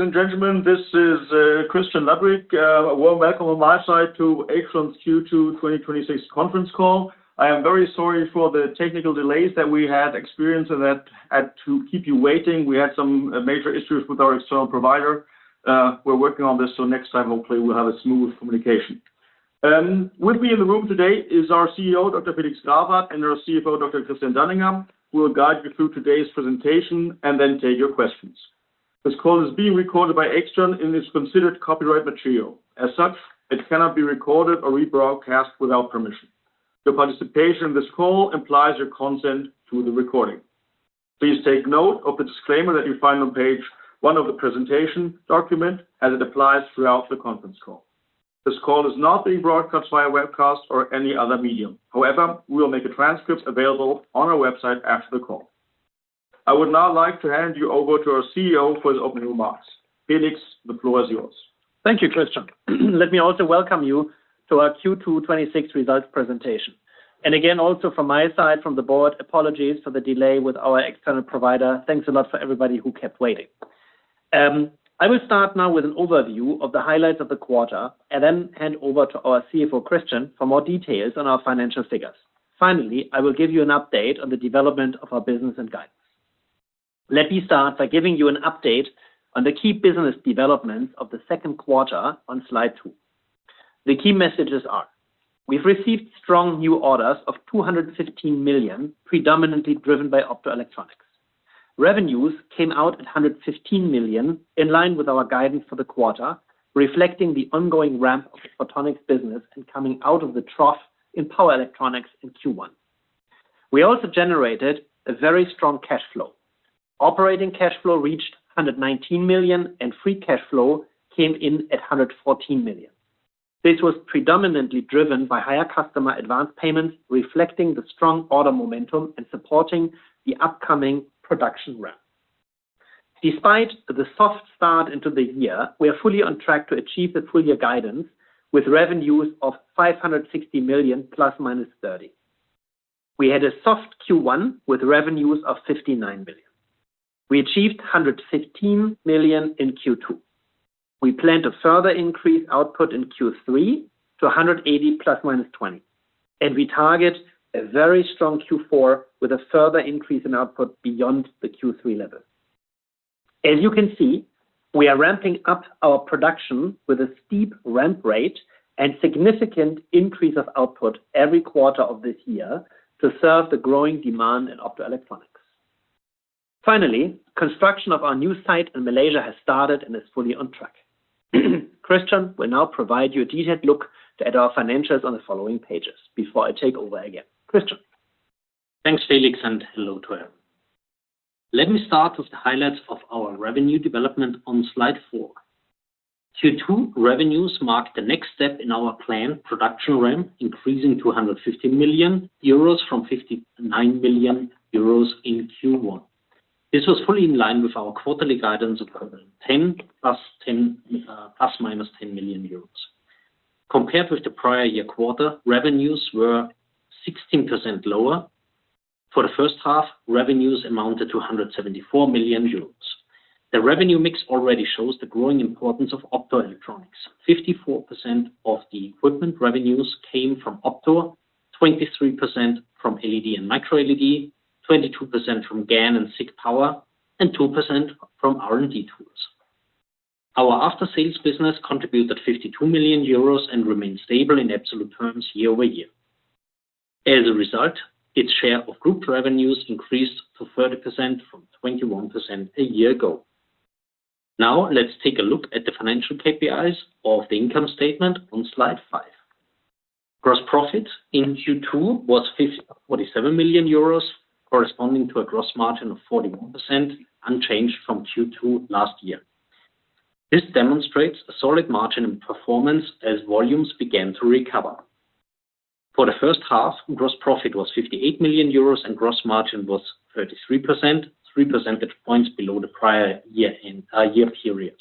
Ladies and gentlemen, this is Christian Ludwig. A warm welcome on my side to AIXTRON's Q2 2026 conference call. I am very sorry for the technical delays that we had experienced and to keep you waiting. We had some major issues with our external provider. We are working on this, so next time, hopefully, we will have a smooth communication. With me in the room today is our CEO, Dr. Felix Grawert, and our CFO, Dr. Christian Danninger, who will guide you through today's presentation and then take your questions. This call is being recorded by AIXTRON and is considered copyright material. As such, it cannot be recorded or rebroadcast without permission. Your participation in this call implies your consent to the recording. Please take note of the disclaimer that you find on page one of the presentation document as it applies throughout the conference call. This call is not being broadcast by a webcast or any other medium. However, we will make a transcript available on our website after the call. I would now like to hand you over to our CEO for the opening remarks. Felix, the floor is yours. Thank you, Christian. Let me also welcome you to our Q2 2026 results presentation. Again, also from my side, from the board, apologies for the delay with our external provider. Thanks a lot for everybody who kept waiting. I will start now with an overview of the highlights of the quarter and then hand over to our CFO, Christian, for more details on our financial figures. Finally, I will give you an update on the development of our business and guidance. Let me start by giving you an update on the key business developments of the second quarter on slide two. The key messages are: We have received strong new orders of 215 million, predominantly driven by optoelectronics. Revenues came out at 115 million, in line with our guidance for the quarter, reflecting the ongoing ramp of the photonics business and coming out of the trough in power electronics in Q1. We also generated a very strong cash flow. Operating cash flow reached 119 million, and free cash flow came in at 114 million. This was predominantly driven by higher customer advanced payments reflecting the strong order momentum and supporting the upcoming production ramp. Despite the soft start into the year, we are fully on track to achieve the full-year guidance with revenues of 560 million ±30 million. We had a soft Q1 with revenues of 59 million. We achieved 115 million in Q2. We plan to further increase output in Q3 to 180 million ±20 million. We target a very strong Q4 with a further increase in output beyond the Q3 level. As you can see, we are ramping up our production with a steep ramp rate and significant increase of output every quarter of this year to serve the growing demand in optoelectronics. Finally, construction of our new site in Malaysia has started and is fully on track. Christian will now provide you a detailed look at our financials on the following pages before I take over again. Christian. Thanks, Felix, and hello to all. Let me start with the highlights of our revenue development on slide four. Q2 revenues marked the next step in our planned production ramp, increasing to 115 million euros from 59 million euros in Q1. This was fully in line with our quarterly guidance of 10 million euros ±10 million euros. Compared with the prior year quarter, revenues were 16% lower. For the first half, revenues amounted to 174 million euros. The revenue mix already shows the growing importance of optoelectronics. 54% of the equipment revenues came from opto, 23% from LED and Micro LED, 22% from GaN and SiC power, and 2% from R&D tools. Our after-sales business contributed 52 million euros and remained stable in absolute terms year-over-year. As a result, its share of group revenues increased to 30% from 21% a year ago. Now, let's take a look at the financial KPIs of the income statement on slide five. Gross profit in Q2 was 47 million euros, corresponding to a gross margin of 41%, unchanged from Q2 last year. This demonstrates a solid margin and performance as volumes began to recover. For the first half, gross profit was 58 million euros, and gross margin was 33%, 3 percentage points below the prior-year period.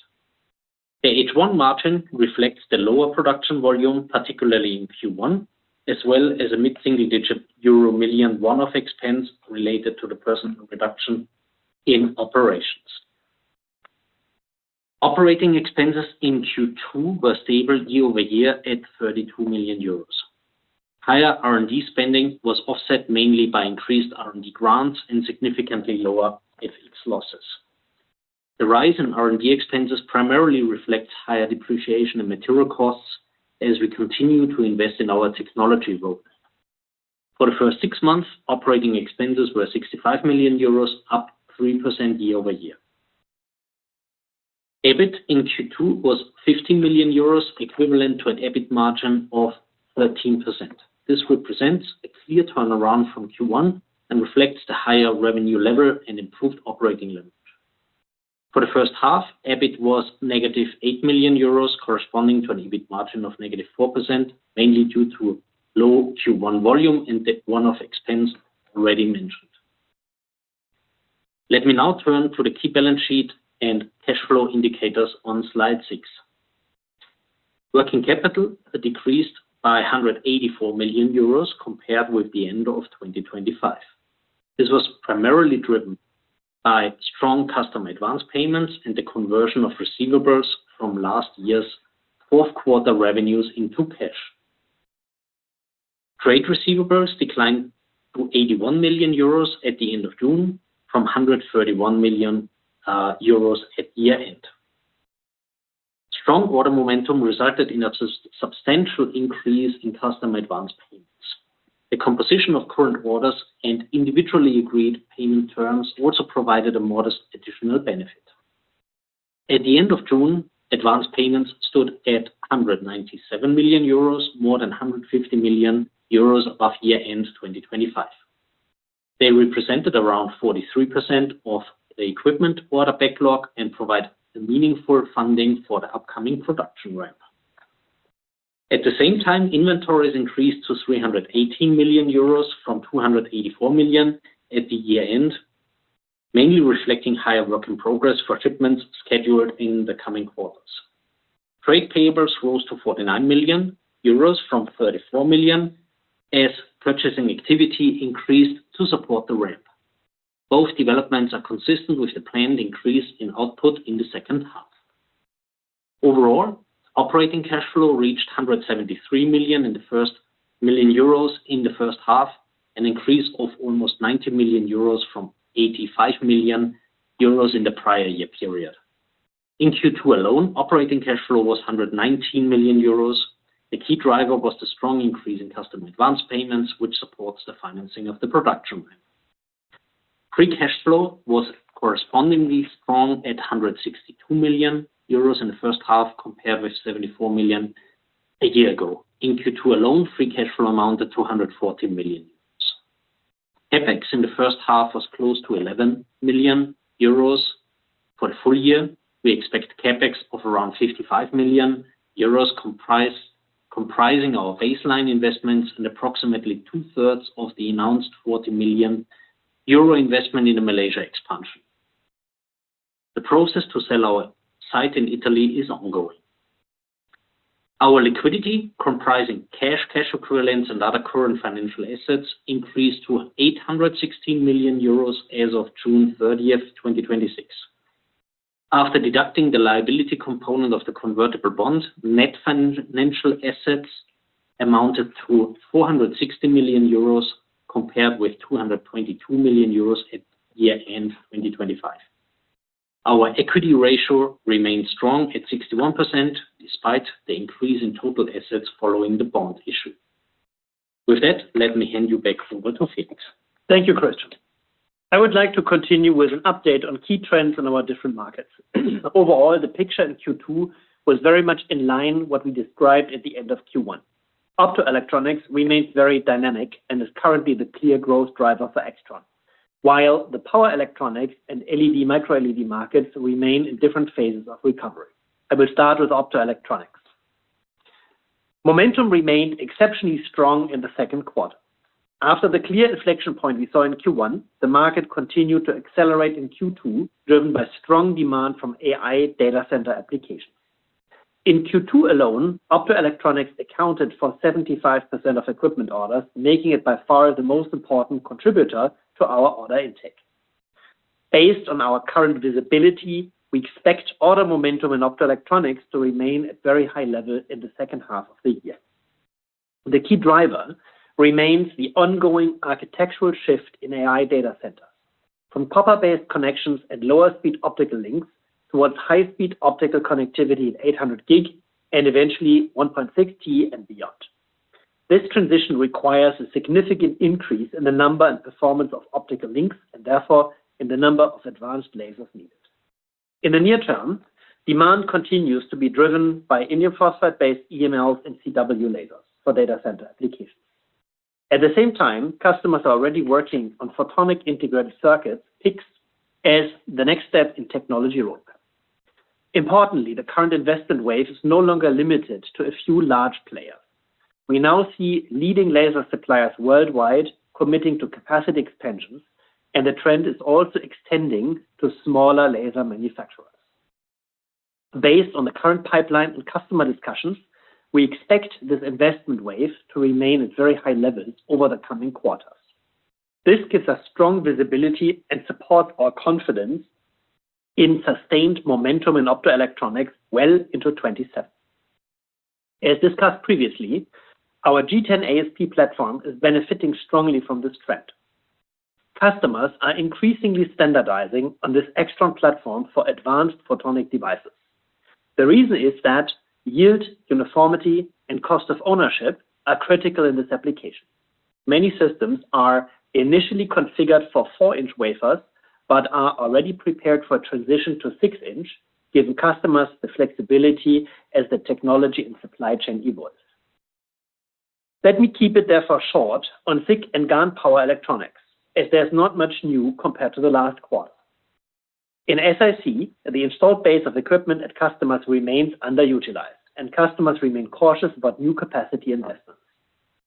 The H1 margin reflects the lower production volume, particularly in Q1, as well as a mid-single-digit euro million one-off expense related to the personnel reduction in operations. Operating expenses in Q2 were stable year-over-year at 32 million euros. Higher R&D spending was offset mainly by increased R&D grants and significantly lower FX losses. The rise in R&D expenses primarily reflect higher depreciation and material costs as we continue to invest in our technology growth. For the first six months, operating expenses were 65 million euros, up 3% year-over-year. EBIT in Q2 was 15 million euros, equivalent to an EBIT margin of 13%. This represents a clear turnaround from Q1 and reflects the higher revenue level and improved operating leverage. For the first half, EBIT was negative 8 million euros, corresponding to an EBIT margin of negative 4%, mainly due to low Q1 volume and the one-off expense already mentioned. Let me now turn to the key balance sheet and cash flow indicators on slide six. Working capital decreased by 184 million euros compared with the end of 2025. This was primarily driven by strong customer advance payments and the conversion of receivables from last year's fourth quarter revenues into cash. Trade receivables declined to 81 million euros at the end of June from 131 million euros at year-end. Strong order momentum resulted in a substantial increase in customer advance payments. The composition of current orders and individually agreed payment terms also provided a modest additional benefit. At the end of June, advanced payments stood at 197 million euros, more than 150 million euros above year-end 2025. They represented around 43% of the equipment order backlog and provide meaningful funding for the upcoming production ramp. At the same time, inventories increased to 318 million euros from 284 million at the year-end, mainly reflecting higher work in progress for shipments scheduled in the coming quarters. Trade payables rose to 49 million euros from 34 million, as purchasing activity increased to support the ramp. Both developments are consistent with the planned increase in output in the second half. Overall, operating cash flow reached 173 million in the first half, an increase of almost 90 million euros from 85 million euros in the prior-year period. In Q2 alone, operating cash flow was 119 million euros. A key driver was the strong increase in customer advance payments, which supports the financing of the production line. Free cash flow was correspondingly strong at 162 million euros in the first half, compared with 74 million a year ago. In Q2 alone, free cash flow amounted to 114 million euros. CapEx in the first half was close to 11 million euros. For the full year, we expect CapEx of around 55 million euros, comprising our baseline investments and approximately two-thirds of the announced 40 million euro investment in the Malaysia expansion. The process to sell our site in Italy is ongoing. Our liquidity, comprising cash equivalents, and other current financial assets, increased to 816 million euros as of June 30th, 2026. After deducting the liability component of the convertible bond, net financial assets amounted to 460 million euros, compared with 222 million euros at year-end 2025. Our equity ratio remains strong at 61%, despite the increase in total assets following the bond issue. With that, let me hand you back over to Felix. Thank you, Christian. I would like to continue with an update on key trends in our different markets. Overall, the picture in Q2 was very much in line what we described at the end of Q1. Optoelectronics remains very dynamic and is currently the clear growth driver for AIXTRON, while the power electronics and LED, Micro LED markets remain in different phases of recovery. I will start with optoelectronics. Momentum remained exceptionally strong in the second quarter. After the clear inflection point we saw in Q1, the market continued to accelerate in Q2, driven by strong demand from AI data center applications. In Q2 alone, optoelectronics accounted for 75% of equipment orders, making it by far the most important contributor to our order intake. Based on our current visibility, we expect order momentum in optoelectronics to remain at very high levels in the second half of the year. The key driver remains the ongoing architectural shift in AI data centers. From copper-based connections and lower-speed optical links, towards high-speed optical connectivity at 800G, and eventually 1.6T and beyond. This transition requires a significant increase in the number and performance of optical links, and therefore, in the number of advanced lasers needed. In the near term, demand continues to be driven by indium phosphide-based EMLs and CW lasers for data center applications. At the same time, customers are already working on photonic integrated circuits, PICs, as the next step in technology roadmap. Importantly, the current investment wave is no longer limited to a few large players. We now see leading laser suppliers worldwide committing to capacity expansions, and the trend is also extending to smaller laser manufacturers. Based on the current pipeline and customer discussions, we expect this investment wave to remain at very high levels over the coming quarters. This gives us strong visibility and supports our confidence in sustained momentum in optoelectronics well into 2027. As discussed previously, our G10-AsP platform is benefiting strongly from this trend. Customers are increasingly standardizing on this AIXTRON platform for advanced photonic devices. The reason is that yield, uniformity, and cost of ownership are critical in this application. Many systems are initially configured for 4-inch wafers but are already prepared for transition to 6-inch, giving customers the flexibility as the technology and supply chain evolves. Let me keep it therefore short on SiC and GaN power electronics, as there's not much new compared to the last quarter. In SiC, the installed base of equipment at customers remains underutilized, and customers remain cautious about new capacity investments.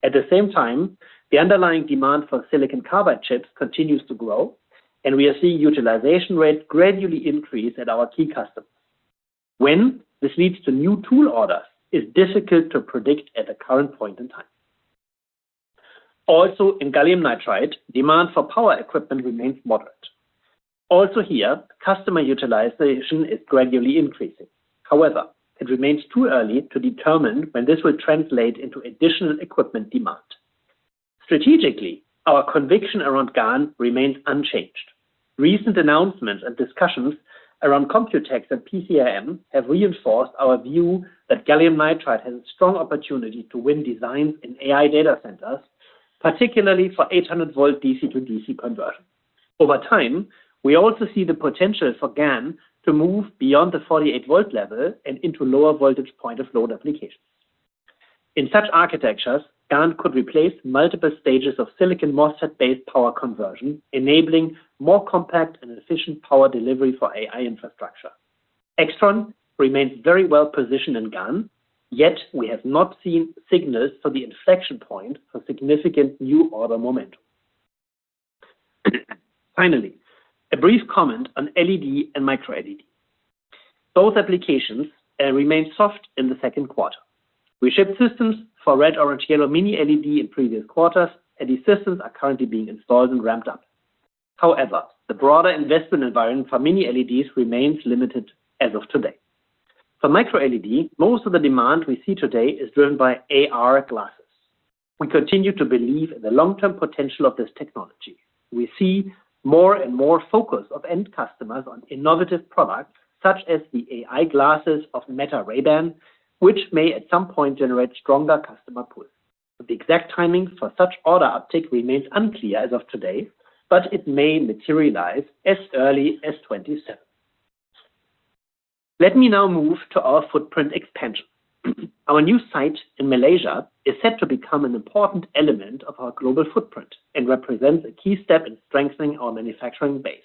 At the same time, the underlying demand for silicon carbide chips continues to grow, and we are seeing utilization rates gradually increase at our key customers. When this leads to new tool orders is difficult to predict at the current point in time. In gallium nitride, demand for power equipment remains moderate. Here, customer utilization is gradually increasing. It remains too early to determine when this will translate into additional equipment demand. Strategically, our conviction around GaN remains unchanged. Recent announcements and discussions around Computex and PCIM have reinforced our view that gallium nitride has a strong opportunity to win designs in AI data centers, particularly for 800-volt DC-to-DC conversion. Over time, we also see the potential for GaN to move beyond the 48-volt level and into lower-voltage point-of-load applications. In such architectures, GaN could replace multiple stages of silicon MOSFET-based power conversion, enabling more compact and efficient power delivery for AI infrastructure. AIXTRON remains very well positioned in GaN, yet we have not seen signals for the inflection point for significant new order momentum. Finally, a brief comment on LED and Micro LED. Both applications remain soft in the second quarter. We shipped systems for red, orange, yellow, Mini LED in previous quarters, and these systems are currently being installed and ramped up. The broader investment environment for Mini LEDs remains limited as of today. For Micro LED, most of the demand we see today is driven by AR glasses. We continue to believe in the long-term potential of this technology. We see more and more focus of end customers on innovative products such as the AI glasses of Ray-Ban Meta, which may at some point generate stronger customer pull. The exact timing for such order uptake remains unclear as of today, but it may materialize as early as 2027. Let me now move to our footprint expansion. Our new site in Malaysia is set to become an important element of our global footprint and represents a key step in strengthening our manufacturing base.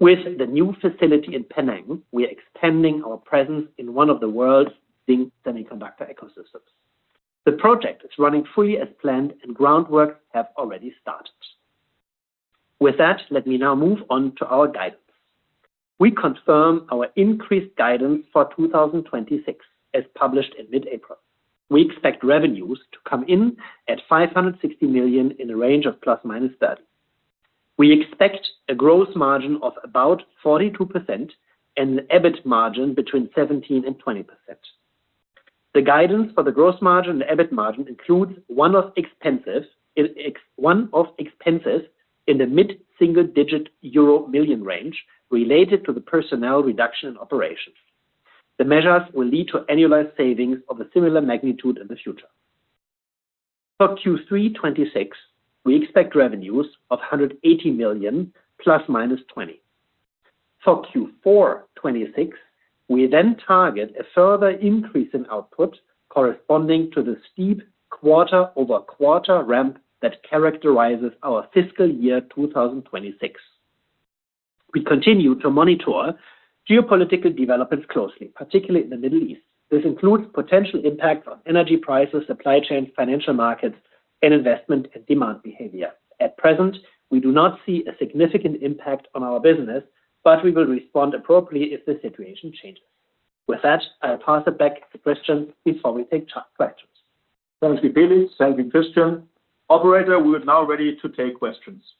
With the new facility in Penang, we are expanding our presence in one of the world's leading semiconductor ecosystems. The project is running fully as planned, and groundwork has already started. With that, let me now move on to our guidance. We confirm our increased guidance for 2026 as published in mid-April. We expect revenues to come in at 560 million in a range of ±30 million. We expect a gross margin of about 42% and an EBIT margin between 17% and 20%. The guidance for the gross margin and the EBIT margin includes one-off expenses in the mid-single-digit EUR million range related to the personnel reduction in operations. The measures will lead to annualized savings of a similar magnitude in the future. For Q3 2026, we expect revenues of 180 million ±20 million. For Q4 2026, we target a further increase in output corresponding to the steep quarter-over-quarter ramp that characterizes our fiscal year 2026. We continue to monitor geopolitical developments closely, particularly in the Middle East. This includes potential impacts on energy prices, supply chains, financial markets, and investment and demand behavior. At present, we do not see a significant impact on our business, but we will respond appropriately if the situation changes. With that, I'll pass it back to Christian before we take questions. Thank you, Felix. Thank you, Christian. Operator, we are now ready to take questions.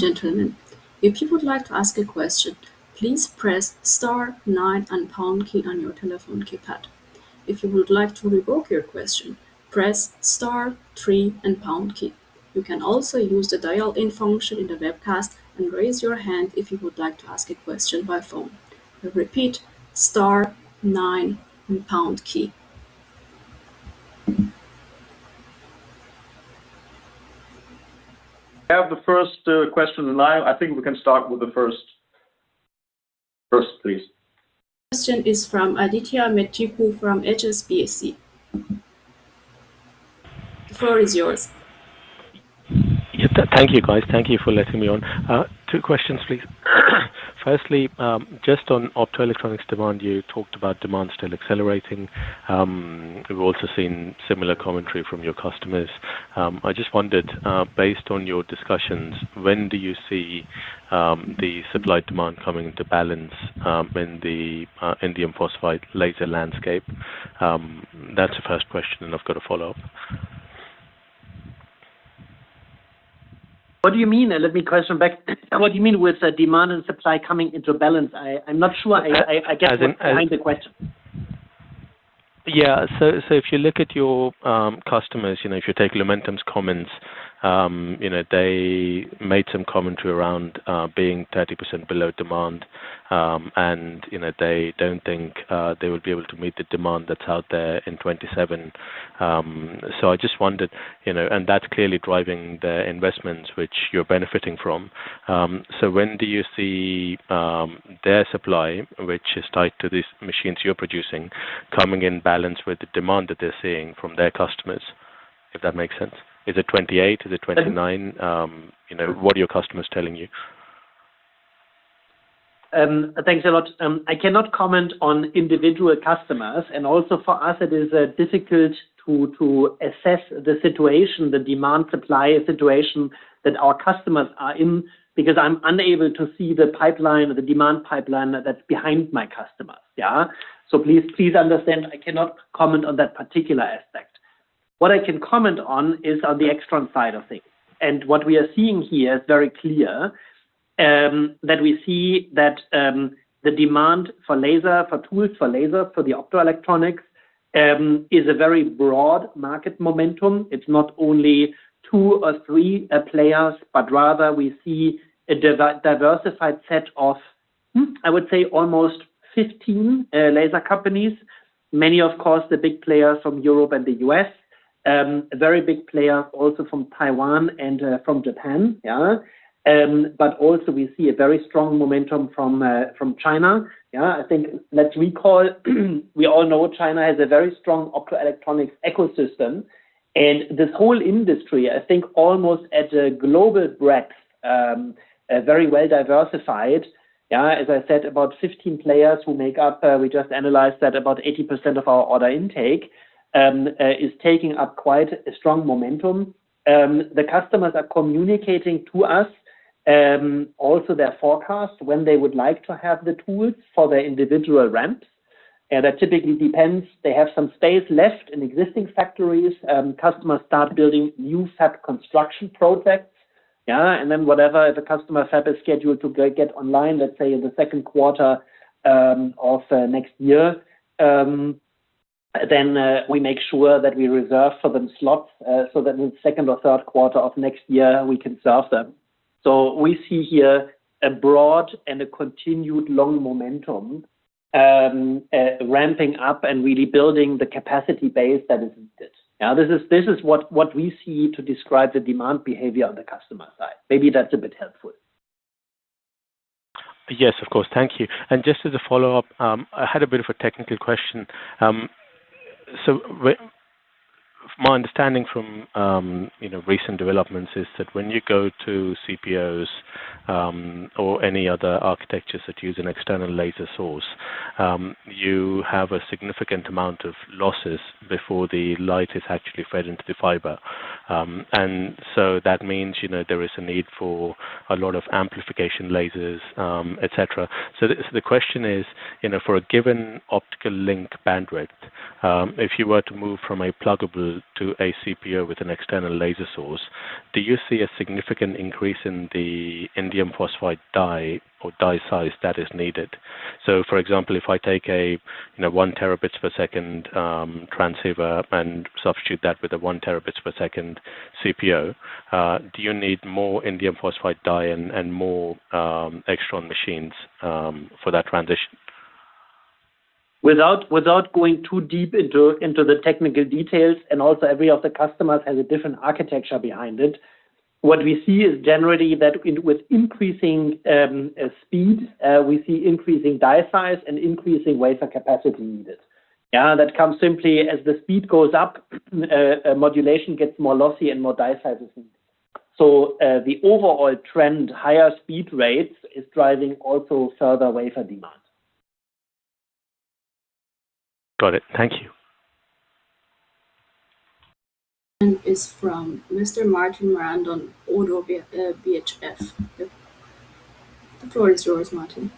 Gentlemen, if you would like to ask a question, please press star nine and pound key on your telephone keypad. If you would like to revoke your question, press star three and pound key. You can also use the dial-in function in the webcast and raise your hand if you would like to ask a question by phone. I repeat, star nine and pound key. I have the first question live. I think we can start with the first, please. Question is from Adithya Metuku from HSBC. The floor is yours. Thank you, guys. Thank you for letting me on. Two questions, please. Firstly, just on optoelectronics demand, you talked about demand still accelerating. We've also seen similar commentary from your customers. I just wondered, based on your discussions, when do you see the supply demand coming into balance in the indium phosphide laser landscape? That's the first question, and I've got a follow-up. What do you mean? Let me question back. What do you mean with the demand and supply coming into balance? I'm not sure. As in get behind the question. Yeah. If you look at your customers, if you take Lumentum's comments, they made some commentary around being 30% below demand. They don't think they will be able to meet the demand that's out there in 2027. I just wondered, and that's clearly driving the investments which you're benefiting from. When do you see their supply, which is tied to these machines you're producing, coming in balance with the demand that they're seeing from their customers, if that makes sense? Is it 2028? Is it 2029? What are your customers telling you? Thanks a lot. I cannot comment on individual customers, and also for us it is difficult to assess the situation, the demand-supply situation that our customers are in, because I am unable to see the demand pipeline that is behind my customers. Please understand I cannot comment on that particular aspect. What I can comment on is on the AIXTRON side of things. What we are seeing here is very clear, that we see that the demand for tools for laser for the optoelectronics is a very broad market momentum. It is not only two or three players, but rather we see a diversified set of, I would say, almost 15 laser companies. Many, of course, the big players from Europe and the U.S. A very big player also from Taiwan and from Japan. Also we see a very strong momentum from China. I think, let's recall, we all know China has a very strong optoelectronics ecosystem, and this whole industry, I think almost at a global breadth, very well diversified. As I said, about 15 players who make up, we just analyzed that about 80% of our order intake is taking up quite a strong momentum. The customers are communicating to us also their forecast when they would like to have the tools for their individual ramp. That typically depends. They have some space left in existing factories. Customers start building new fab construction projects. Whatever the customer fab is scheduled to get online, let's say in the second quarter of next year, we make sure that we reserve for them slots so that in the second or third quarter of next year we can serve them. We see here a broad and a continued long momentum ramping up and really building the capacity base that is needed. This is what we see to describe the demand behavior on the customer side. Maybe that is a bit helpful. Yes, of course. Thank you. Just as a follow-up, I had a bit of a technical question. My understanding from recent developments is that when you go to CPOs or any other architectures that use an external laser source, you have a significant amount of losses before the light is actually fed into the fiber. That means there is a need for a lot of amplification lasers, et cetera. The question is, for a given optical link bandwidth, if you were to move from a pluggable to a CPO with an external laser source, do you see a significant increase in the indium phosphide die or die size that is needed? For example, if I take a 1 Tbps transceiver and substitute that with a 1 Tbps CPO, do you need more indium phosphide die and more extra machines for that transition? Without going too deep into the technical details and also every of the customers has a different architecture behind it, what we see is generally that with increasing speed, we see increasing die size and increasing wafer capacity needed. That comes simply as the speed goes up, modulation gets more lossy and more die size is needed. The overall trend, higher speed rates, is driving also further wafer demand. Got it. Thank you. Is from Mr. Martin Marandon-Carlhian, ODDO BHF. The floor is yours, Martin.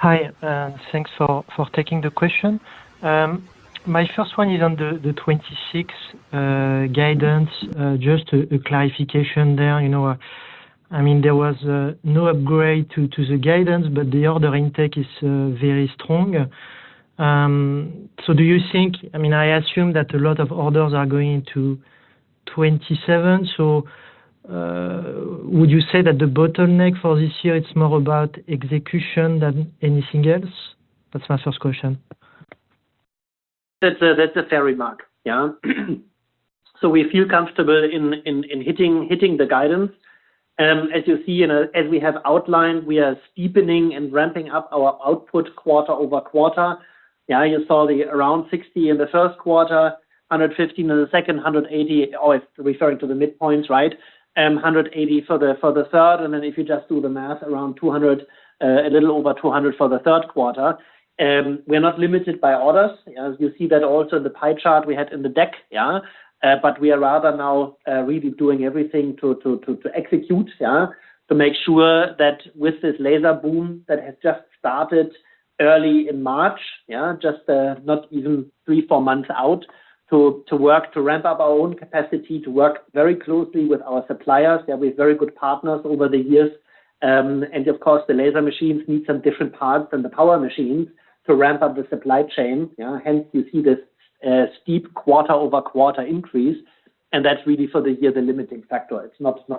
Hi, thanks for taking the question. My first one is on the 2026 guidance. Just a clarification there. There was no upgrade to the guidance, the order intake is very strong. I assume that a lot of orders are going into 2027. Would you say that the bottleneck for this year, it's more about execution than anything else? That's my first question. That's a fair remark. We feel comfortable in hitting the guidance. As you see, as we have outlined, we are steepening and ramping up our output quarter-over-quarter. You saw around 60 million in the first quarter, 115 million in the second, 180. Oh, it's referring to the midpoints, right? 180 million for the third, if you just do the math, a little over 200 million for the third quarter. We're not limited by orders, as you see that also in the pie chart we had in the deck. We are rather now really doing everything to execute. To make sure that with this laser boom that has just started early in March, just not even three, four months out, to work to ramp up our own capacity, to work very closely with our suppliers. They'll be very good partners over the years. Of course, the laser machines need some different parts than the power machines to ramp up the supply chain. Hence you see this steep quarter-over-quarter increase, that's really for the year the limiting factor. It's not raw.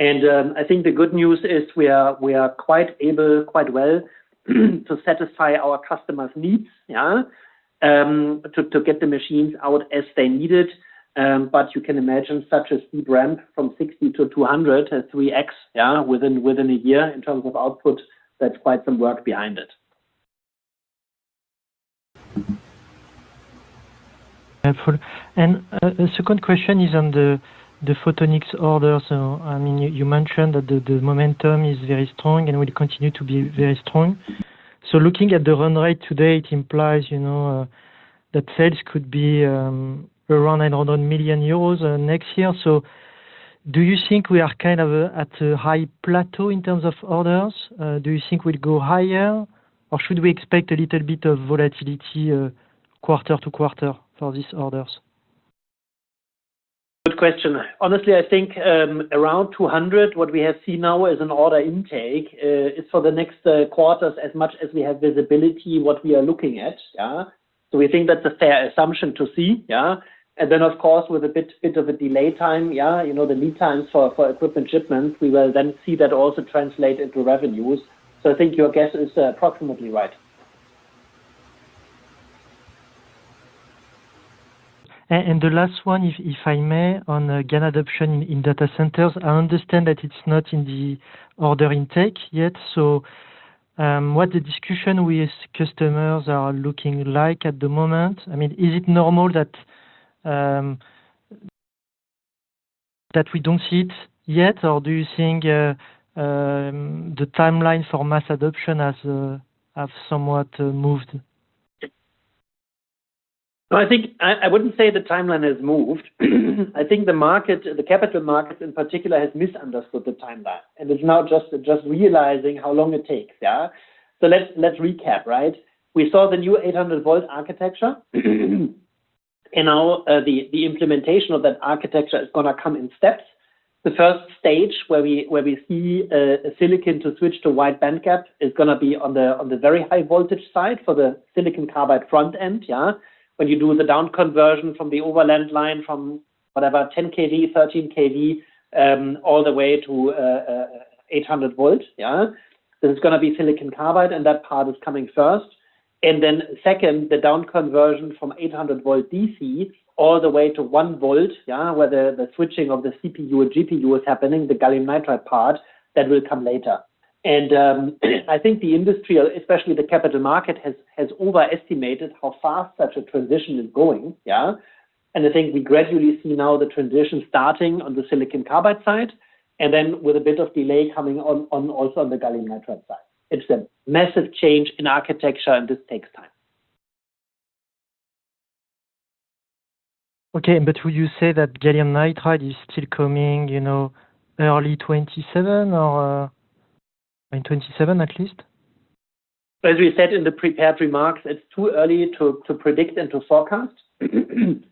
I think the good news is we are quite well to satisfy our customers' needs. To get the machines out as they need it. You can imagine such a steep ramp from 60 to 200, a 3x within a year in terms of output. That's quite some work behind it. Helpful. The second question is on the photonics orders. You mentioned that the momentum is very strong and will continue to be very strong. Looking at the run rate today, it implies that sales could be around 100 million euros next year. Do you think we are kind of at a high plateau in terms of orders? Do you think we'll go higher, or should we expect a little bit of volatility quarter-to-quarter for these orders? Good question. Honestly, I think around 200 million, what we have seen now as an order intake is for the next quarters, as much as we have visibility, what we are looking at. We think that's a fair assumption to see. Of course, with a bit of a delay time, the lead times for equipment shipments, we will then see that also translate into revenues. I think your guess is approximately right. The last one, if I may, on GaN adoption in data centers. I understand that it's not in the order intake yet. What the discussion with customers are looking like at the moment? Is it normal that we don't see it yet, or do you think the timeline for mass adoption has somewhat moved? I wouldn't say the timeline has moved. I think the capital markets in particular, has misunderstood the timeline, and is now just realizing how long it takes. Let's recap, right? We saw the new 800-volt architecture. Now the implementation of that architecture is going to come in steps. The first stage, where we see a silicon to switch to wide bandgap, is going to be on the very high voltage side for the silicon carbide front end. When you do the down conversion from the overland line from whatever 10 kV, 13 kV, all the way to 800-volt. It's going to be silicon carbide, and that part is coming first. Then second, the down conversion from 800-volt DC all the way to 1-volt. Where the switching of the CPU or GPU is happening, the gallium nitride part, that will come later. I think the industry, especially the capital market, has overestimated how fast such a transition is going. I think we gradually see now the transition starting on the silicon carbide side, and then with a bit of delay coming on also on the gallium nitride side. It's a massive change in architecture, and this takes time. Okay. Would you say that gallium nitride is still coming early 2027 or by 2027, at least? As we said in the prepared remarks, it's too early to predict and to forecast.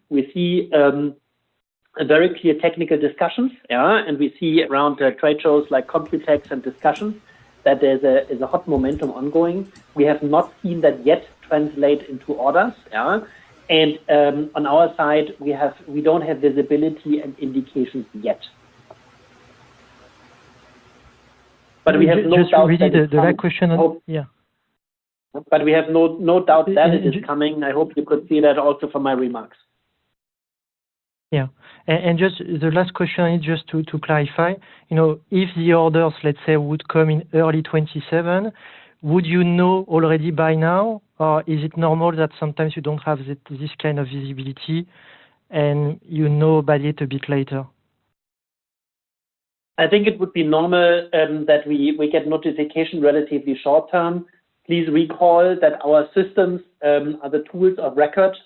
We see very clear technical discussions. Yeah. We see around trade shows like Computex and discussions that there's a hot momentum ongoing. We have not seen that yet translate into orders. Yeah. On our side, we don't have visibility and indications yet. We have no doubt that it is coming. Just really the direct question, yeah. We have no doubt that it is coming, and I hope you could see that also from my remarks. Yeah. Just the last question is just to clarify, if the orders, let's say, would come in early 2027, would you know already by now, or is it normal that sometimes you don't have this kind of visibility and you know by a little bit later? I think it would be normal that we get notification relatively short-term. Please recall that our systems are the tools of record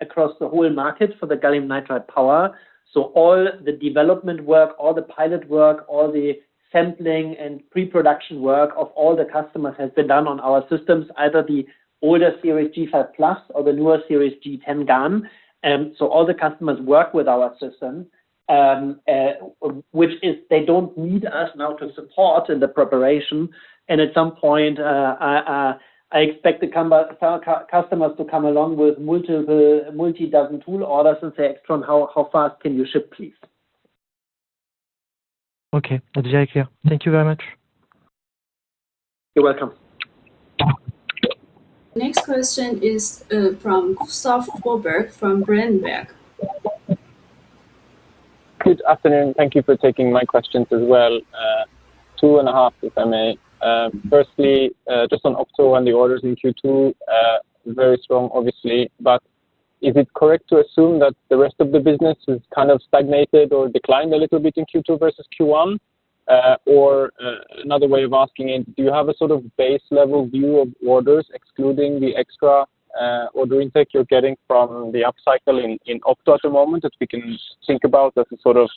across the whole market for the gallium nitride power. All the development work, all the pilot work, all the sampling and pre-production work of all the customers has been done on our systems, either the older Series G5+ or the newer Series G10-GaN. All the customers work with our system, which is they don't need us now to support in the preparation. At some point, I expect the customers to come along with multi-dozen tool orders and say, "AIXTRON, how fast can you ship, please? Okay. That's very clear. Thank you very much. You're welcome. Next question is from Gustav Fröberg from Berenberg. Good afternoon. Thank you for taking my questions as well. Two and a half, if I may. Firstly, just on Opto and the orders in Q2. Very strong, obviously, but is it correct to assume that the rest of the business has kind of stagnated or declined a little bit in Q2 versus Q1? Another way of asking it, do you have a sort of base-level view of orders excluding the extra order intake you're getting from the upcycle in Opto at the moment, that we can think about as a sort of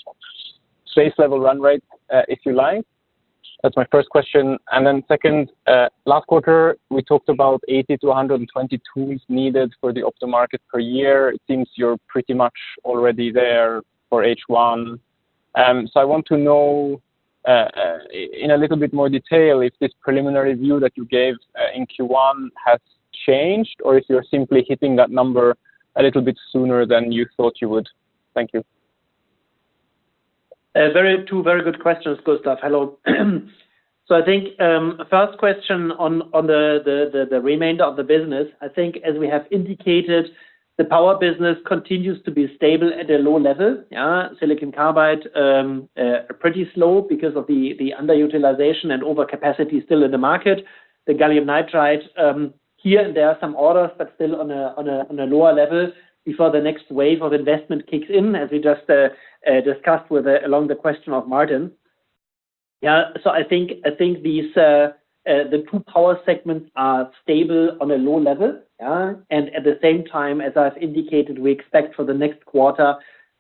base-level run rate, if you like? That's my first question. Then second, last quarter, we talked about 80-120 tools needed for the Opto market per year. It seems you're pretty much already there for H1. I want to know in a little bit more detail if this preliminary view that you gave in Q1 has changed or if you're simply hitting that number a little bit sooner than you thought you would. Thank you. Two very good questions, Gustav. Hello. I think, first question on the remainder of the business. I think as we have indicated, the power business continues to be stable at a low level. Yeah. silicon carbide, pretty slow because of the underutilization and overcapacity still in the market. The gallium nitride. Here and there are some orders, but still on a lower level before the next wave of investment kicks in, as we just discussed along the question of margin. Yeah. I think the two power segments are stable on a low level. At the same time, as I've indicated, we expect for the next quarter,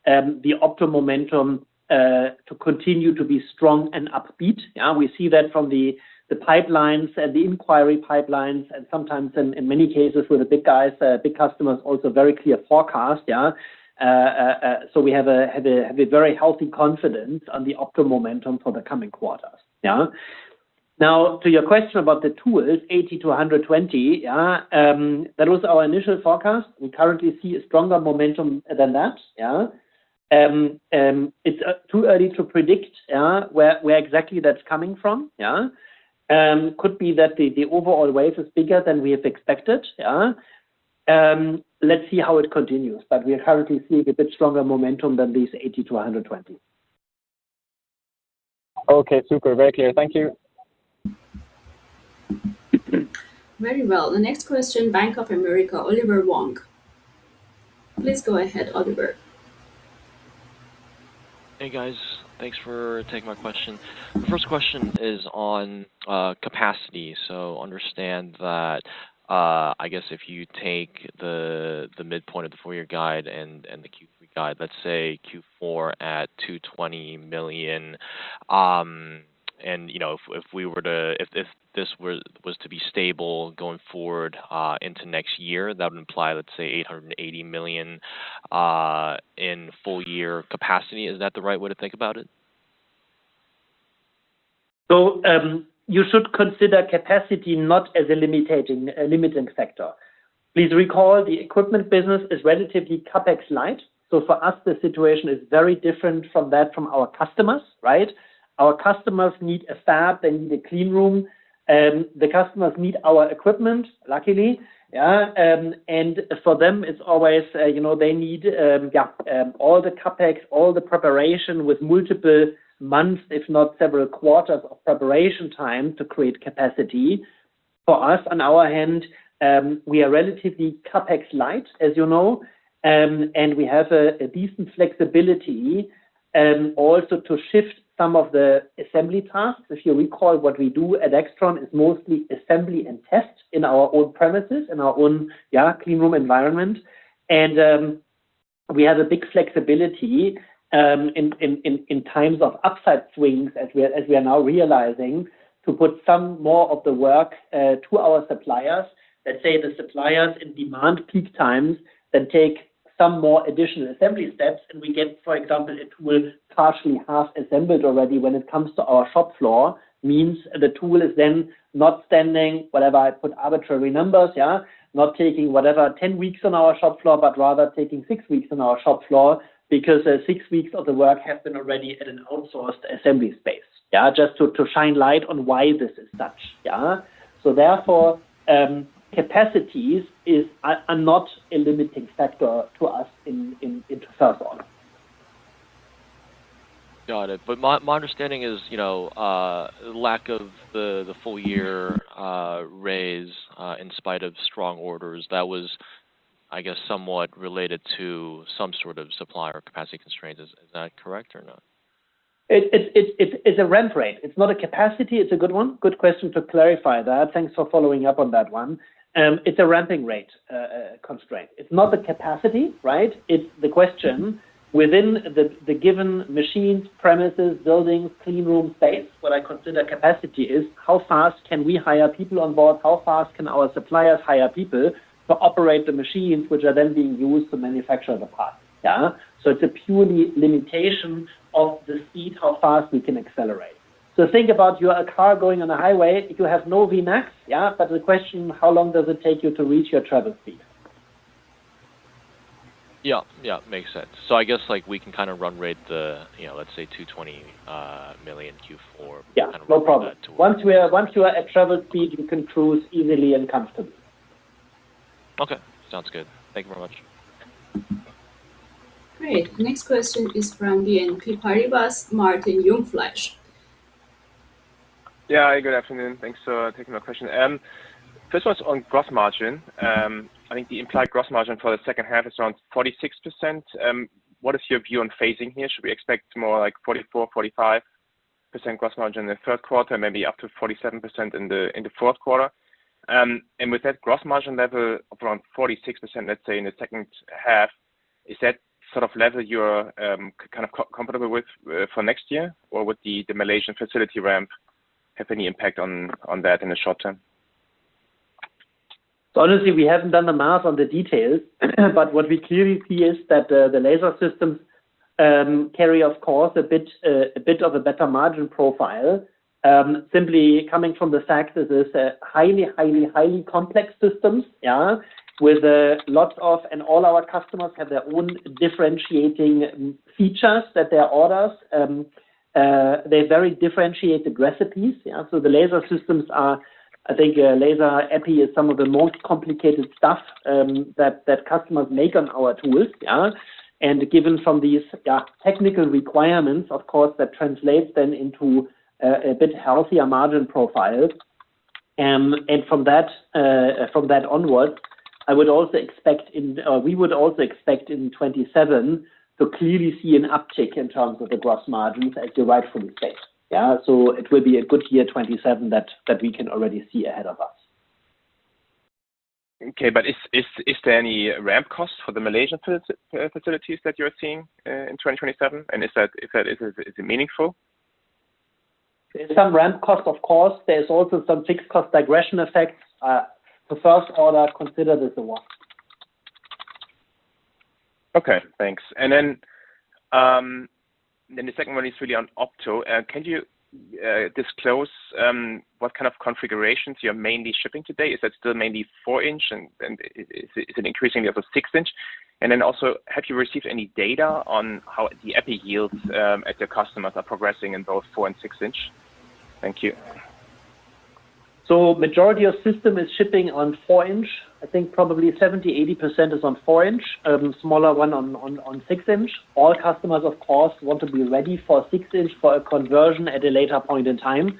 the opto momentum to continue to be strong and upbeat. Yeah. We see that from the pipelines and the inquiry pipelines, and sometimes in many cases with the big guys, big customers also very clear forecast. Yeah. We have a very healthy confidence on the opto momentum for the coming quarters, yeah. To your question about the tools, 80-120, yeah. That was our initial forecast. We currently see a stronger momentum than that, yeah. It's too early to predict, yeah, where exactly that's coming from, yeah. Could be that the overall wave is bigger than we have expected, yeah. Let's see how it continues. We currently see a bit stronger momentum than these 80-120. Okay, super. Very clear. Thank you. Very well. The next question, Bank of America, Oliver Wong. Please go ahead, Oliver. Hey, guys. Thanks for taking my question. First question is on capacity. Understand that, I guess if you take the midpoint of the full-year guide and the Q3 guide, let's say Q4 at 220 million. If this was to be stable going forward into next year, that would imply, let's say, 880 million in full-year capacity. Is that the right way to think about it? You should consider capacity not as a limiting factor. Please recall the equipment business is relatively CapEx light. For us, the situation is very different from that from our customers, right? Our customers need a fab, they need a clean room. The customers need our equipment, luckily. Yeah. For them, it is always they need all the CapEx, all the preparation with multiple months, if not several quarters of preparation time to create capacity. For us, on our end, we are relatively CapEx light, as you know, and we have a decent flexibility. Also to shift some of the assembly tasks. If you recall, what we do at AIXTRON is mostly assembly and test in our own premises, in our own clean room environment. We have a big flexibility in times of upside swings as we are now realizing, to put some more of the work to our suppliers. Let's say the suppliers in demand peak times, take some more additional assembly steps, and we get, for example, it was partially half assembled already when it comes to our shop floor, means the tool is then not standing, whatever, I put arbitrary numbers, yeah, not taking whatever, 10 weeks on our shop floor, but rather taking six weeks on our shop floor because six weeks of the work has been already at an outsourced assembly space. Yeah, just to shine light on why this is such. Yeah. Therefore, capacities are not a limiting factor to us into third quarter. Got it. My understanding is, lack of the full-year raise, in spite of strong orders, that was, I guess, somewhat related to some sort of supplier capacity constraint. Is that correct or not? It's a ramp rate. It's not a capacity. It's a good one. Good question to clarify that. Thanks for following up on that one. It's a ramping rate constraint. It's not a capacity, right? It's the question within the given machines, premises, buildings, clean room space. What I consider capacity is how fast can we hire people on board, how fast can our suppliers hire people to operate the machines, which are then being used to manufacture the parts. Yeah. It's a purely limitation of the speed, how fast we can accelerate. Think about your car going on a highway. You have no Vmax, yeah? The question, how long does it take you to reach your travel speed? Yeah. Makes sense. I guess like we can run rate the, let's say 220 million Q4. Yeah. No problem. kind of ramp that tool. Once you are at travel speed, you can cruise easily and comfortably. Okay. Sounds good. Thank you very much. Great. Next question is from BNP Paribas, Martin Jungfleisch. Yeah. Good afternoon. Thanks for taking my question. First one's on gross margin. I think the implied gross margin for the second half is around 46%. What is your view on phasing here? Should we expect more like 44%, 45% gross margin in the third quarter, maybe up to 47% in the fourth quarter? With that gross margin level of around 46%, let's say in the second half, is that sort of level you're kind of comfortable with for next year? Or would the Malaysian facility ramp have any impact on that in the short term? Honestly, we haven't done the math on the details, but what we clearly see is that the laser systems carry of course a bit of a better margin profile. Simply coming from the fact that it's a highly, highly complex systems, yeah, and all our customers have their own differentiating features that they orders. They're very differentiated recipes, yeah. The laser systems are, I think, laser EPI is some of the most complicated stuff that customers make on our tools, yeah. Given from these technical requirements, of course, that translates then into a bit healthier margin profiles From that onwards, we would also expect in 2027 to clearly see an uptick in terms of the gross margins, as you rightfully said. Yeah. It will be a good year 2027 that we can already see ahead of us. Okay. Is there any ramp cost for the Malaysian facilities that you're seeing in 2027? Is it meaningful? There's some ramp cost, of course. There's also some fixed cost regression effects. The first order, consider this the one. Okay, thanks. The second one is really on opto. Can you disclose what kind of configurations you're mainly shipping today? Is that still mainly 4-inch, and is it increasing level 6-inch? Also, have you received any data on how the EPI yields at your customers are progressing in both 4-inch and 6-inch? Thank you. Majority of system is shipping on 4-inch. I think probably 70%, 80% is on 4-inch, smaller one on 6-inch. All customers, of course, want to be ready for 6-inch for a conversion at a later point in time.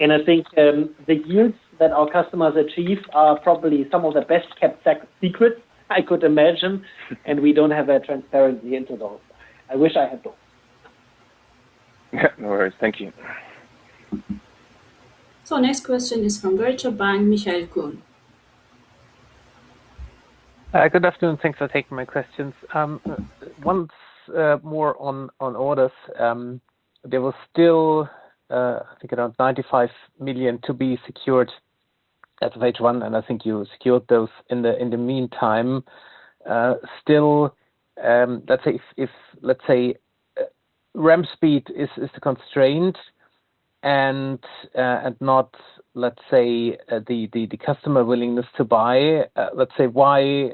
I think the yields that our customers achieve are probably some of the best-kept secrets I could imagine, and we don't have that transparency into those. I wish I had those. Yeah. No worries. Thank you. Next question is from Deutsche Bank, Michael Kuhn. Good afternoon. Thanks for taking my questions. Once more on orders, there was still, I think around 95 million to be secured at H1, and I think you secured those in the meantime. Still, let's say if ramp speed is the constraint and not the customer willingness to buy, let's say, why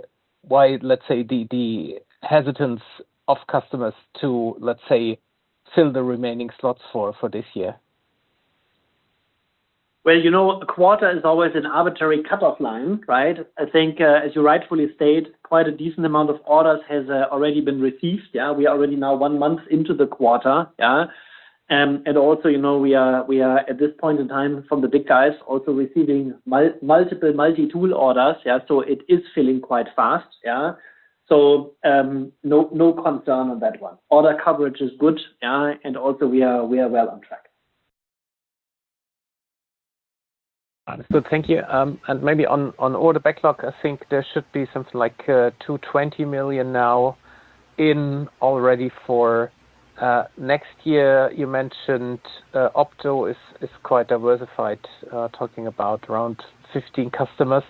the hesitance of customers to fill the remaining slots for this year? Well, a quarter is always an arbitrary cutoff line, right? I think, as you rightfully state, quite a decent amount of orders has already been received. Yeah. We are already now one month into the quarter. Yeah. Also, we are, at this point in time, from the big guys, also receiving multiple multi-tool orders. Yeah. It is filling quite fast. Yeah. No concern on that one. Order coverage is good. Yeah. Also, we are well on track. Understood. Thank you. Maybe on order backlog, I think there should be something like 220 million now in already for next year. You mentioned opto is quite diversified, talking about around 15 customers.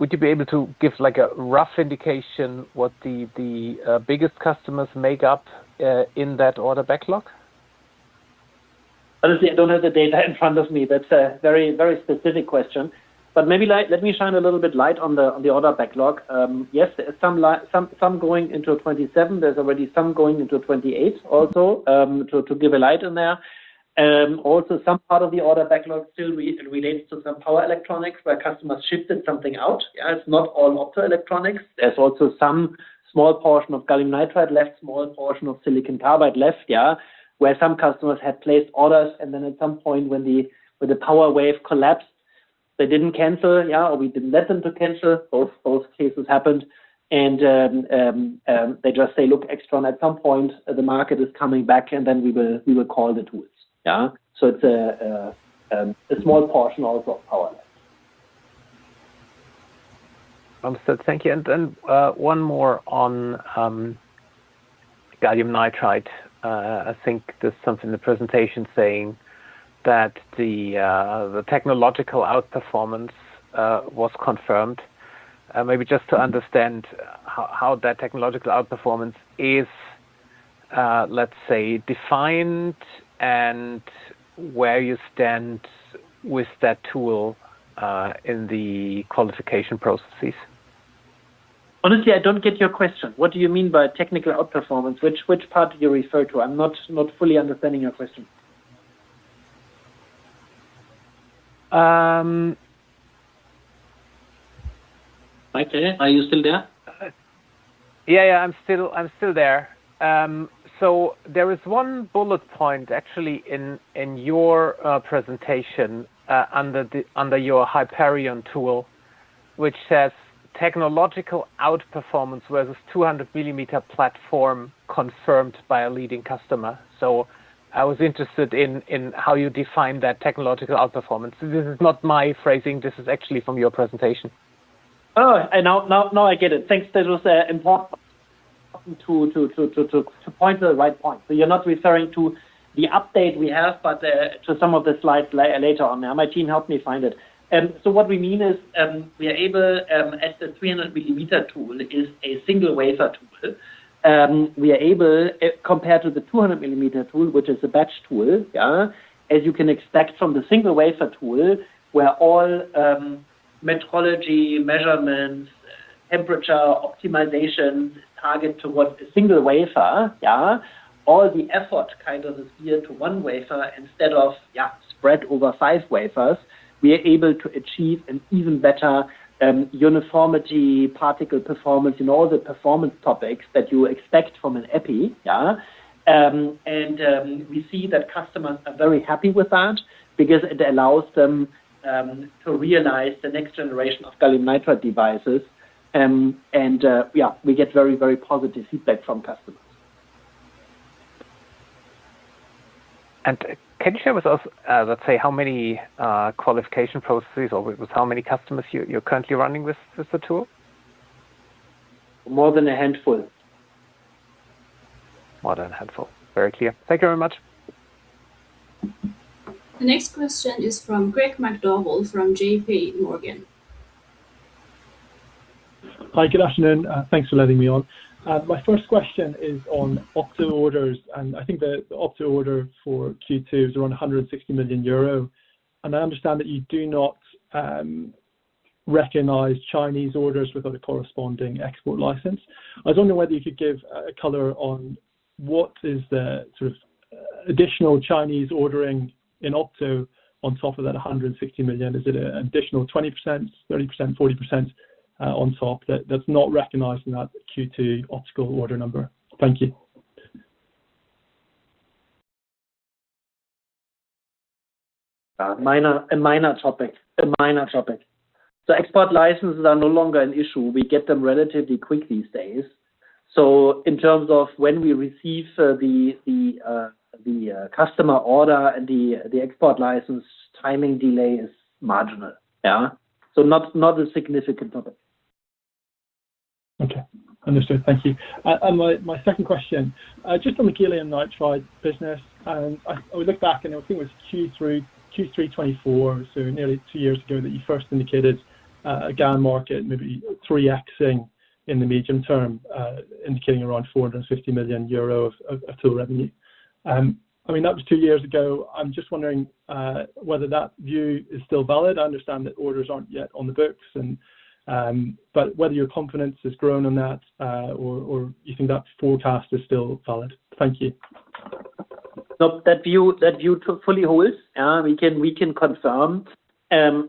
Would you be able to give a rough indication what the biggest customers make up in that order backlog? Honestly, I don't have the data in front of me. That's a very specific question, maybe let me shine a little bit light on the order backlog. Yes, there's some going into 2027. There's already some going into 2028 also, to give a light in there. Also some part of the order backlog still relates to some power electronics where customers shifted something out. Yeah. It's not all optoelectronics. There's also some small portion of gallium nitride left, small portion of silicon carbide left, yeah, where some customers had placed orders, then at some point when the power wave collapsed, they didn't cancel, yeah, or we didn't let them to cancel. Both cases happened. They just say, "Look, AIXTRON, at some point, the market is coming back, then we will call the tools." Yeah. It's a small portion also of power left. Understood. Thank you. Then, one more on gallium nitride. I think there's something in the presentation saying that the technological outperformance was confirmed. Maybe just to understand how that technological outperformance is, let's say, defined and where you stand with that tool, in the qualification processes. Honestly, I don't get your question. What do you mean by technical outperformance? Which part do you refer to? I'm not fully understanding your question. Michael, are you still there? Yeah. I'm still there. There is one bullet point actually in your presentation, under your Hyperion, which says, "Technological outperformance versus 200 mm platform confirmed by a leading customer." I was interested in how you define that technological outperformance. This is not my phrasing, this is actually from your presentation. Oh, now I get it. Thanks. That was important to point to the right point. You're not referring to the update we have, but to some of the slides later on. My team helped me find it. What we mean is, we are able, as the 300 mm tool is a single wafer tool. We are able, compared to the 200 mm tool, which is a batch tool, as you can expect from the single wafer tool, where all metrology, measurements, temperature, optimization, target towards a single wafer, all the effort kind of is geared to one wafer instead of spread over five wafers. We are able to achieve an even better uniformity, particle performance in all the performance topics that you expect from an EPI. We see that customers are very happy with that because it allows them to realize the next generation of gallium nitride devices. We get very positive feedback from customers. Can you share with us, let's say, how many qualification processes, or with how many customers you're currently running this with the tool? More than a handful. More than a handful. Very clear. Thank you very much. The next question is from Craig McDowell from JPMorgan. Hi, good afternoon. Thanks for letting me on. My first question is on Opto orders. I think the Opto order for Q2 is around 160 million euro. I understand that you do not recognize Chinese orders without a corresponding export license. I was wondering whether you could give a color on what is the sort of additional Chinese ordering in Opto on top of that 160 million. Is it an additional 20%, 30%, 44% on top that is not recognized in that Q2 Opto order number? Thank you. A minor topic. Export licenses are no longer an issue. We get them relatively quick these days. In terms of when we receive the customer order, the export license timing delay is marginal. Yeah. Not a significant topic. Okay. Understood. Thank you. My second question, just on the gallium nitride business, I looked back, and I think it was Q3 2024, nearly two years ago, that you first indicated a GaN market, maybe 3x-ing in the medium term, indicating around 450 million euro of tool revenue. That was two years ago. I'm just wondering whether that view is still valid. I understand that orders aren't yet on the books. Whether your confidence has grown on that, or you think that forecast is still valid. Thank you. No, that view fully holds. We can confirm. On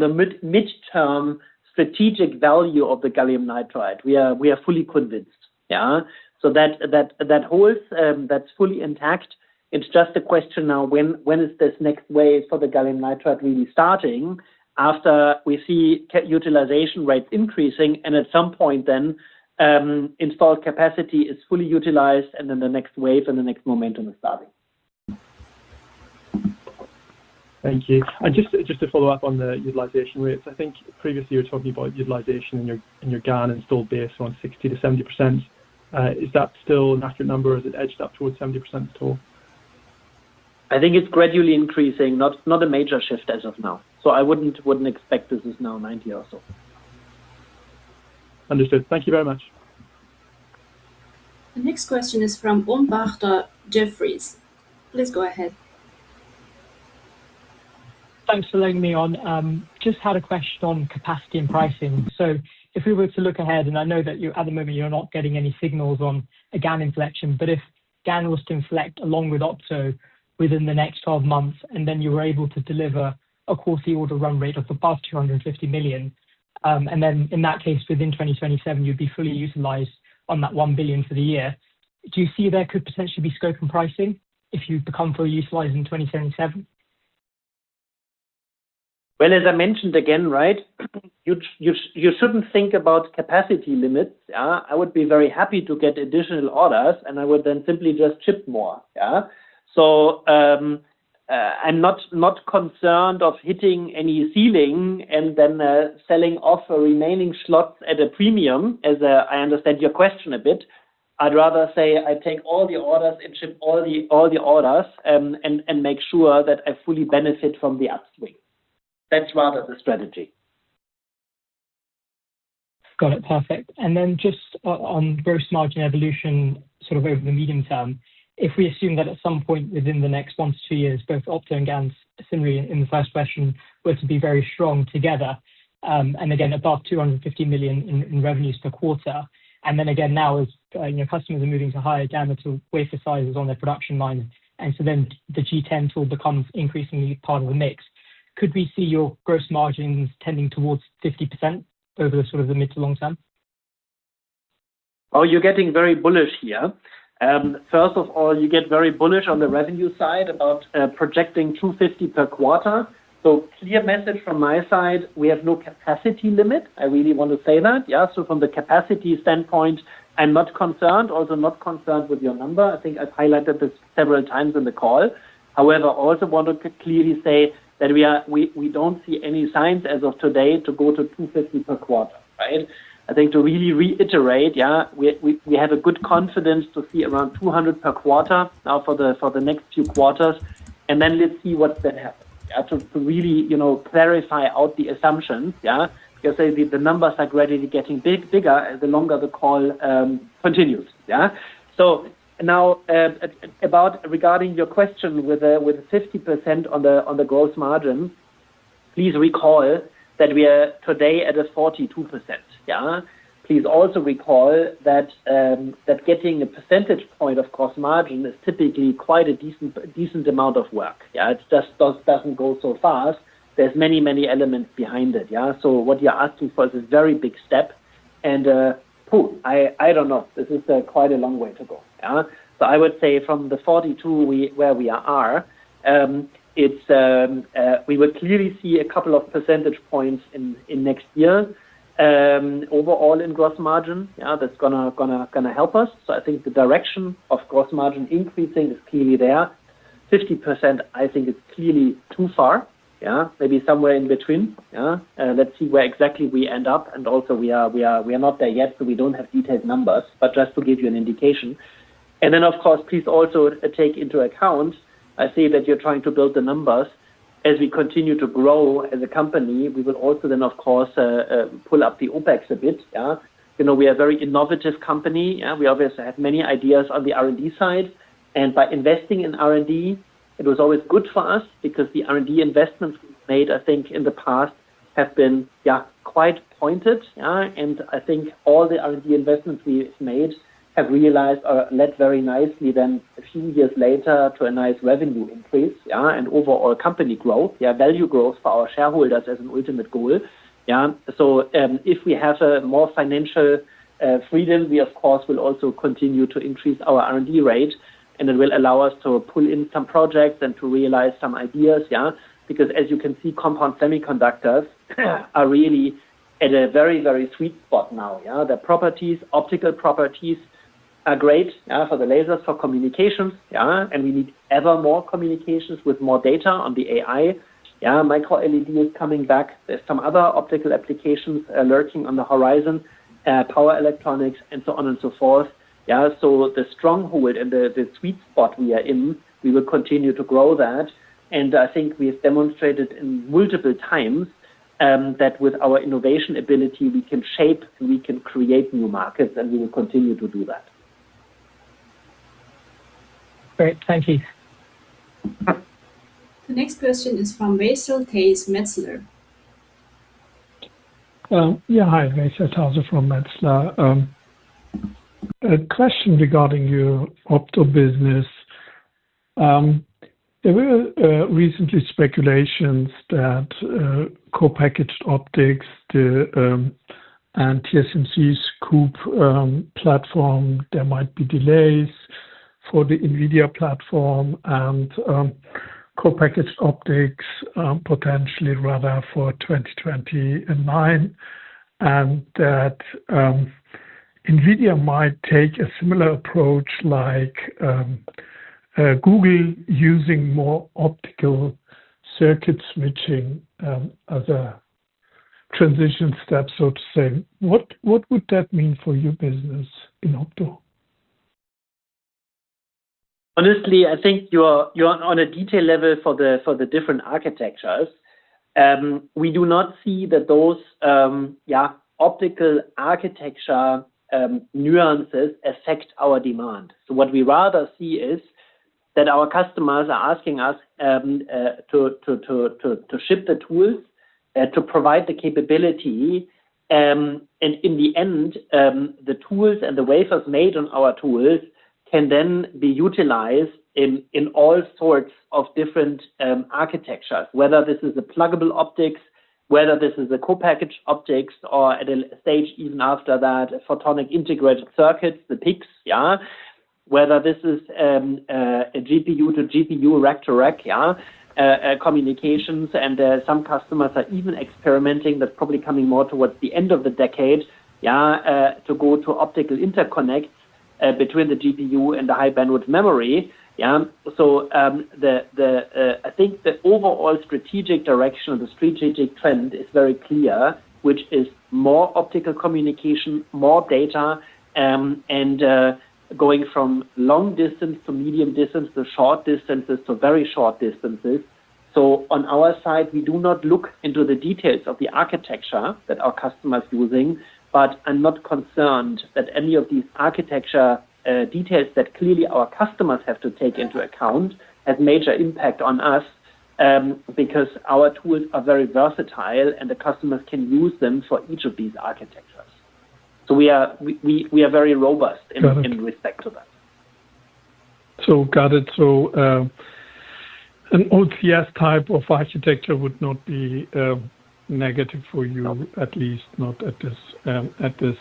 the mid-term strategic value of the gallium nitride, we are fully convinced. Yeah. That holds. That's fully intact. It's just a question now, when is this next wave for the gallium nitride really starting after we see utilization rate increasing, at some point then, installed capacity is fully utilized, the next wave and the next momentum is starting. Thank you. Just to follow up on the utilization rates, I think previously you were talking about utilization in your GaN installed base around 60%-70%. Is that still an accurate number, or has it edged up towards 70% at all? I think it's gradually increasing, not a major shift as of now. I wouldn't expect this is now 90 or so. Understood. Thank you very much. The next question is from Om Bakhda Jefferies. Please go ahead. Thanks for letting me on. Just had a question on capacity and pricing. If we were to look ahead, and I know that at the moment, you're not getting any signals on a GaN inflection, but if GaN was to inflect along with Opto within the next 12 months, and then you were able to deliver a quarterly order run rate of above 250 million. In that case, within 2027, you'd be fully utilized on that 1 billion for the year. Do you see there could potentially be scope and pricing if you become fully utilized in 2027? Well, as I mentioned again, right, you shouldn't think about capacity limits. I would be very happy to get additional orders, and I would then simply just ship more. I'm not concerned of hitting any ceiling and then selling off remaining slots at a premium, as I understand your question a bit. I'd rather say I take all the orders and ship all the orders, and make sure that I fully benefit from the upswing. That's rather the strategy. Got it. Perfect. Just on gross margin evolution, sort of over the medium term, if we assume that at some point within the next one to two years, both Opto and GaN, similarly in the first question, were to be very strong together, again, above 250 million in revenues per quarter. Again now as customers are moving to higher diameter wafer sizes on their production lines, the G10 becomes increasingly part of the mix. Could we see your gross margins tending towards 50% over the sort of the mid to long term? Oh, you're getting very bullish here. First of all, you get very bullish on the revenue side about projecting 250 million per quarter. Clear message from my side, we have no capacity limit. I really want to say that. From the capacity standpoint, I'm not concerned. Also not concerned with your number. I think I've highlighted this several times on the call. However, also want to clearly say that we don't see any signs as of today to go to 250 million per quarter. I think to really reiterate, we have a good confidence to see around 200 million per quarter now for the next two quarters, then let's see what then happens. To really clarify out the assumptions. Because the numbers are gradually getting bigger the longer the call continues. Regarding your question with the 50% on the gross margin, please recall that we are today at a 42%. Please also recall that getting a percentage point of gross margin is typically quite a decent amount of work. It just doesn't go so fast. There's many elements behind it. What you're asking for is a very big step. I don't know. This is quite a long way to go. I would say from the 42% where we are, we will clearly see a couple of percentage points in next year overall in gross margin. That's going to help us. I think the direction of gross margin increasing is clearly there. 50%, I think it's clearly too far. Maybe somewhere in between. Let's see where exactly we end up. We are not there yet. We don't have detailed numbers. Just to give you an indication. Of course, please also take into account, I see that you're trying to build the numbers. As we continue to grow as a company, we will also, of course, pull up the OpEx a bit. We are a very innovative company. We obviously have many ideas on the R&D side. By investing in R&D, it was always good for us because the R&D investments we made, I think, in the past have been quite pointed. I think all the R&D investments we have made have realized or led very nicely a few years later to a nice revenue increase. Overall company growth. Value growth for our shareholders as an ultimate goal. If we have more financial freedom, we, of course, will also continue to increase our R&D rate, and it will allow us to pull in some projects and to realize some ideas. As you can see, compound semiconductors are really at a very, very sweet spot now. The properties, optical properties are great. For the lasers, for communications. We need ever more communications with more data on the AI. Micro LED is coming back. There's some other optical applications lurking on the horizon, power electronics and so on and so forth. The stronghold and the sweet spot we are in, we will continue to grow that. I think we have demonstrated in multiple times that with our innovation ability, we can shape, we can create new markets, and we will continue to do that. Great. Thank you. The next question is from Veysel Taze, Metzler. Yeah. Hi, Veysel Taze from Metzler. A question regarding your opto business. There were recently speculations that co-packaged optics, the TSMC COUPE platform, there might be delays for the NVIDIA platform and co-packaged optics potentially rather for 2029. That NVIDIA might take a similar approach like Google using more optical circuit switching as a transition step, so to say. What would that mean for your business in opto? Honestly, I think you're on a detail level for the different architectures. We do not see that those optical architecture nuances affect our demand. What we rather see is that our customers are asking us to ship the tools, to provide the capability. In the end, the tools and the wafers made on our tools can then be utilized in all sorts of different architectures, whether this is a pluggable optics, whether this is a co-packaged optics or at a stage even after that, photonic integrated circuits, the PICs. Yeah. Whether this is a GPU to GPU rack to rack. Yeah. Communications, some customers are even experimenting, that's probably coming more towards the end of the decade. Yeah. To go to optical interconnect between the GPU and the high-bandwidth memory. Yeah. I think the overall strategic direction or the strategic trend is very clear, which is more optical communication, more data, going from long distance to medium distance to short distances to very short distances. On our side, we do not look into the details of the architecture that our customer is using, but I'm not concerned that any of these architecture details that clearly our customers have to take into account has major impact on us, because our tools are very versatile and the customers can use them for each of these architectures. We are very robust. Got it. in respect to that. Got it. An OCS type of architecture would not be negative for you. No At least not at this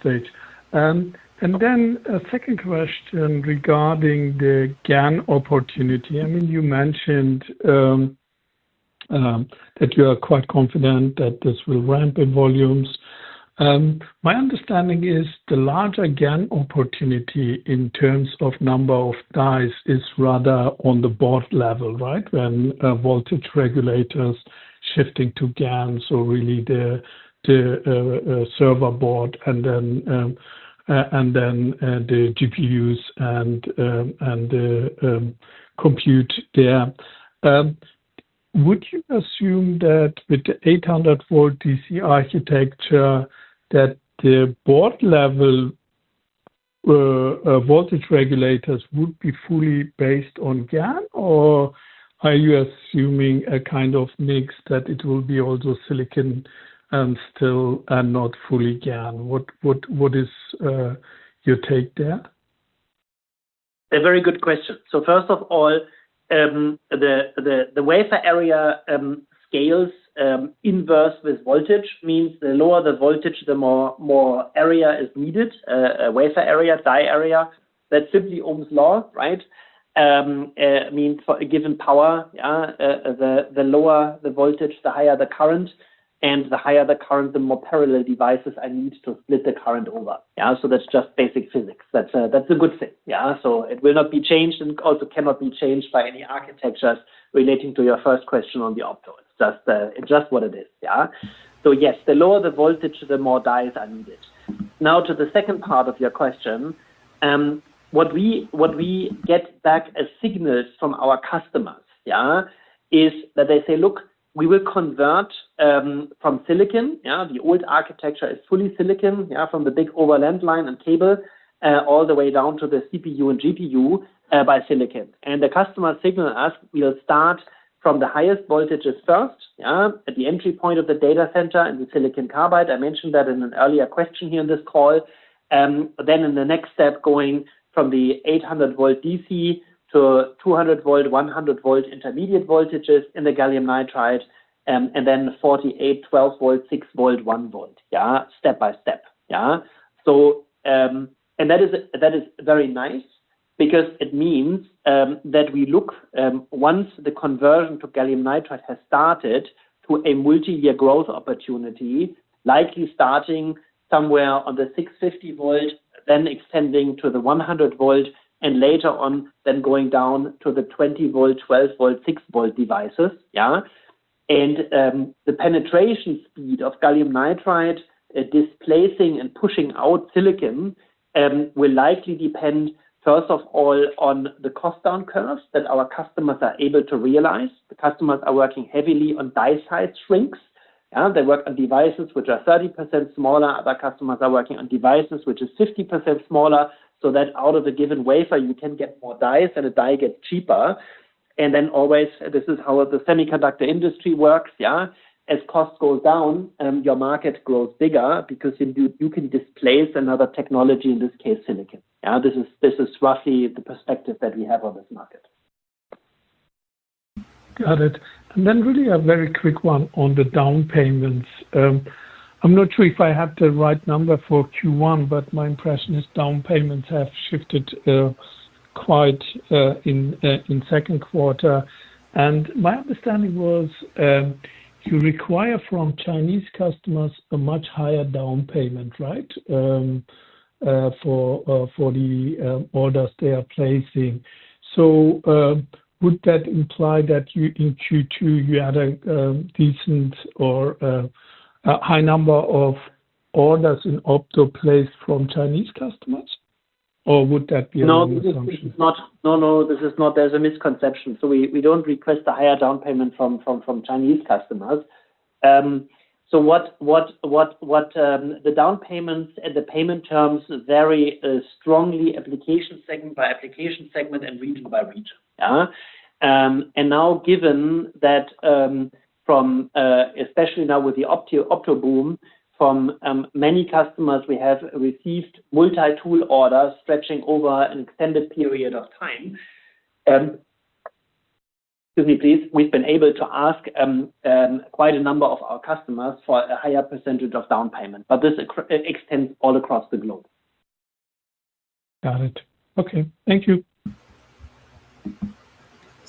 stage. A second question regarding the GaN opportunity. I mean, you mentioned that you are quite confident that this will ramp in volumes. My understanding is the larger GaN opportunity in terms of number of dies is rather on the board level, right? When voltage regulators shifting to GaNs or really the server board and then the GPUs and the compute there. Would you assume that with the 800-volt DC architecture, that the board level voltage regulators would be fully based on GaN? Or are you assuming a kind of mix that it will be also silicon and still not fully GaN? What is your take there? A very good question. First of all, the wafer area scales inverse with voltage, means the lower the voltage, the more area is needed, wafer area, die area. That's simply Ohm's law, right? It means for a given power, the lower the voltage, the higher the current, and the higher the current, the more parallel devices I need to split the current over. That's just basic physics. That's a good thing. It will not be changed and also cannot be changed by any architectures relating to your first question on the optos. It's just what it is. Yes, the lower the voltage, the more dies are needed. Now to the second part of your question. What we get back as signals from our customers is that they say, "Look, we will convert from silicon." The old architecture is fully silicon, from the big overland line and cable, all the way down to the CPU and GPU by silicon. The customer signal us, we'll start from the highest voltages first, at the entry point of the data center in the silicon carbide. I mentioned that in an earlier question here on this call. Then in the next step, going from the 800-volt DC to 200-volt, 100-volt intermediate voltages in the gallium nitride, and then 48-volt, 12-volt, 6-volt, 1-volt. Step by step. That is very nice because it means that we look, once the conversion to gallium nitride has started, to a multi-year growth opportunity, likely starting somewhere on the 650-volt, then extending to the 100-volt, and later on then going down to the 20-volt, 12-volt, 6-volt devices. The penetration speed of gallium nitride displacing and pushing out silicon will likely depend, first of all, on the cost down curves that our customers are able to realize. The customers are working heavily on die size shrinks. They work on devices which are 30% smaller. Other customers are working on devices which is 50% smaller, so that out of a given wafer, you can get more dies and the die gets cheaper. Always, this is how the semiconductor industry works. As cost goes down, your market grows bigger because you can displace another technology, in this case, silicon. This is roughly the perspective that we have on this market. Got it. Really a very quick one on the down payments. I'm not sure if I have the right number for Q1, but my impression is down payments have shifted quite in second quarter. My understanding was, you require from Chinese customers a much higher down payment, right? For the orders they are placing. Would that imply that in Q2 you had a decent or a high number of orders in opto placed from Chinese customers? Or would that be a wrong assumption? No, this is not. There's a misconception. We don't request a higher down payment from Chinese customers. The down payments and the payment terms vary strongly application segment by application segment and region by region. Now given that from, especially now with the opto boom, from many customers we have received multi-tool orders stretching over an extended period of time. Excuse me, please. We've been able to ask quite a number of our customers for a higher percentage of down payment, but this extends all across the globe. Got it. Okay. Thank you.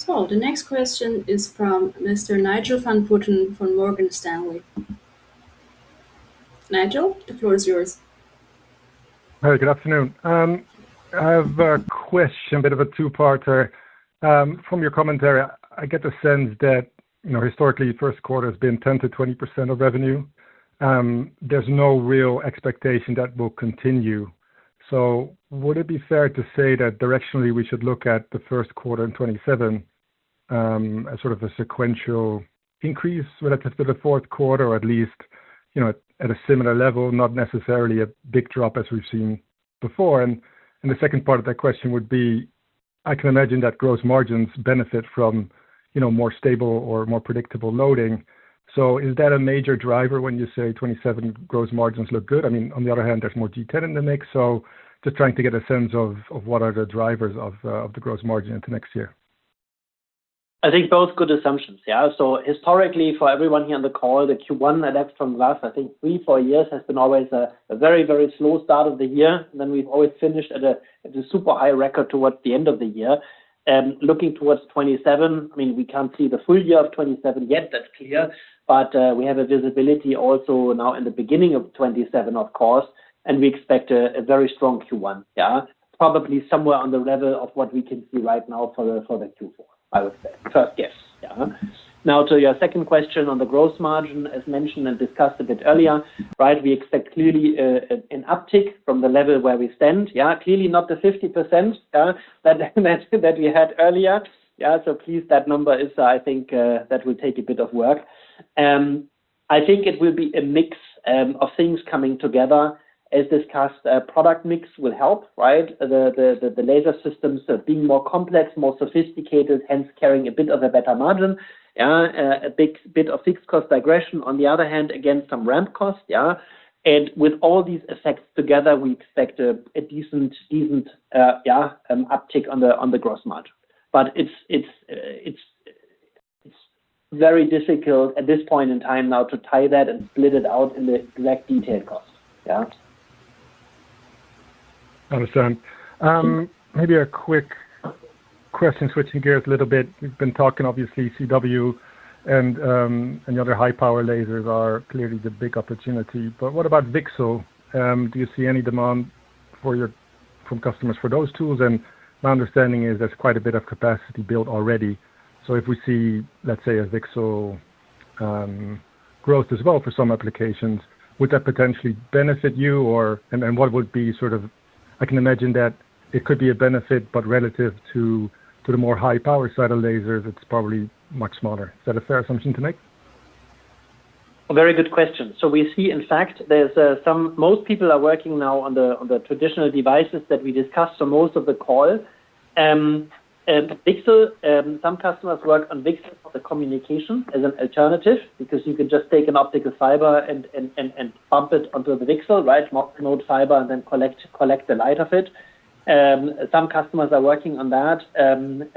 The next question is from Mr. Nigel van Putten from Morgan Stanley. Nigel, the floor is yours. Hi, good afternoon. I have a question, a bit of a two-parter. From your commentary, I get the sense that historically, first quarter's been 10%-20% of revenue. There's no real expectation that will continue. Would it be fair to say that directionally we should look at the first quarter in 2027, as sort of a sequential increase relative to the fourth quarter? Or at least, at a similar level, not necessarily a big drop as we've seen before. The second part of that question would be, I can imagine that gross margins benefit from more stable or more predictable loading. Is that a major driver when you say 2027 gross margins look good? On the other hand, there's more detail in the mix, just trying to get a sense of what are the drivers of the gross margin into next year. I think both good assumptions. Historically, for everyone here on the call, the Q1, that's from last, I think three, four years, has been always a very slow start of the year. We've always finished at a super high record towards the end of the year. Looking towards 2027, we can't see the full year of 2027 yet, that's clear. But we have a visibility also now in the beginning of 2027, of course, and we expect a very strong Q1. Probably somewhere on the level of what we can see right now for the Q4, I would say. Yes. To your second question on the gross margin, as mentioned and discussed a bit earlier, we expect clearly an uptick from the level where we stand. Clearly not the 50% that we had earlier. Please, that number is, I think that will take a bit of work. I think it will be a mix of things coming together. As discussed, product mix will help. The laser systems are being more complex, more sophisticated, hence carrying a bit of a better margin. A big bit of fixed cost absorption. On the other hand, again, some ramp cost. With all these effects together, we expect a decent uptick on the gross margin. It's very difficult at this point in time now to tie that and split it out in the exact detailed cost. Yeah. Understand. Maybe a quick question, switching gears a little bit. We've been talking, obviously, CW and the other high-power lasers are clearly the big opportunity, but what about VCSEL? Do you see any demand from customers for those tools? My understanding is there's quite a bit of capacity built already. If we see, let's say, a VCSEL growth as well for some applications, would that potentially benefit you, I can imagine that it could be a benefit, but relative to the more high-power side of lasers, it's probably much smaller. Is that a fair assumption to make? A very good question. We see, in fact, most people are working now on the traditional devices that we discussed for most of the call. VCSEL, some customers work on VCSEL for the communication as an alternative because you can just take an optical fiber and bump it onto the VCSEL. Mode fiber, and then collect the light of it. Some customers are working on that, on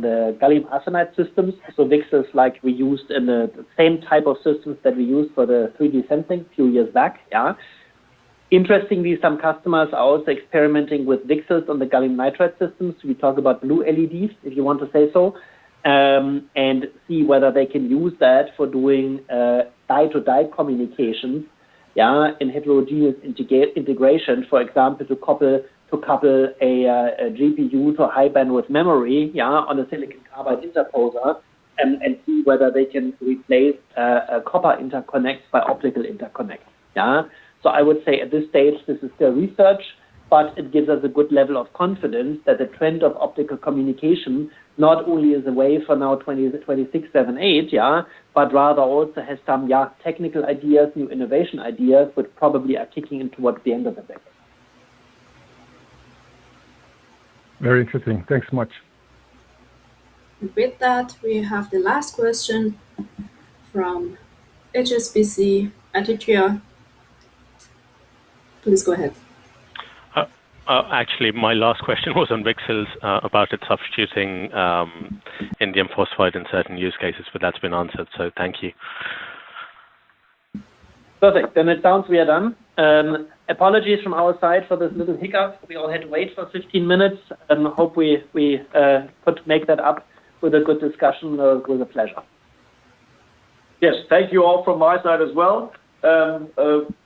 the gallium arsenide systems. VCSEL is like we used in the same type of systems that we used for the 3D sensing a few years back. Interestingly, some customers are also experimenting with VCSELs on the gallium nitride systems. We talk about blue LEDs, if you want to say so, and see whether they can use that for doing die-to-die communication. Heterogeneous integration, for example, to couple a GPU for high-bandwidth memory on a silicon carbide interposer and see whether they can replace a copper interconnect by optical interconnect. I would say at this stage, this is still research, but it gives us a good level of confidence that the trend of optical communication not only is a way for now 2026, 2027, 2028, but rather also has some technical ideas, new innovation ideas, but probably are kicking in towards the end of the decade. Very interesting. Thanks so much. With that, we have the last question from HSBC, Adithya. Please go ahead. Actually, my last question was on VCSELs about it substituting indium phosphide in certain use cases, but that's been answered, so thank you. Perfect. It sounds we are done. Apologies from our side for this little hiccup. We all had to wait for 15 minutes, hope we could make that up with a good discussion. It was a pleasure. Yes. Thank you all from my side as well.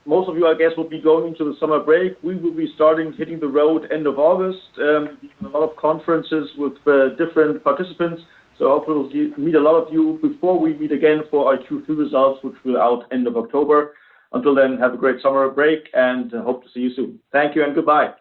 Most of you, I guess, will be going to the summer break. We will be starting hitting the road end of August. We have a lot of conferences with different participants. Hopefully we'll meet a lot of you before we meet again for our Q3 results, which will be out end of October. Until then, have a great summer break and hope to see you soon. Thank you and goodbye. Bye.